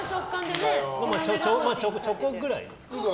チョコぐらい。